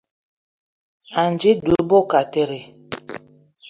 Anji dud be kateré